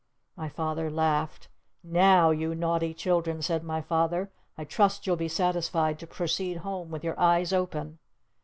My Father laughed. "Now you naughty children," said my Father, "I trust you'll be satisfied to proceed home with your eyes open!"